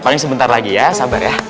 paling sebentar lagi ya sabar ya